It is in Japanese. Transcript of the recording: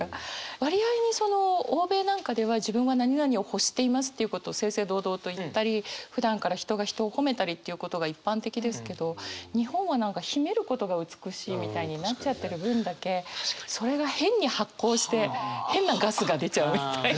割合にその欧米なんかでは自分は何々を欲していますっていうことを正々堂々と言ったりふだんから人が人を褒めたりっていうことが一般的ですけど日本は何か秘めることが美しいみたいになっちゃってる分だけそれが変に発酵して変なガスが出ちゃうみたいな。